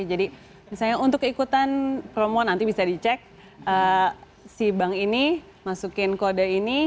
jadi misalnya untuk ikutan promo nanti bisa dicek si bank ini masukin kode ini